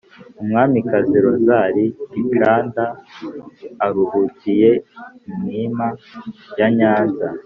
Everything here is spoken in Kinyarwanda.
Umwamikazi Rosalie Gicanda aruhukiye I Mwima ya Nyanza.